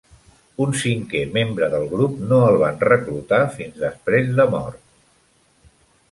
Un cinquè membre del grup no el van reclutar fins després de mort.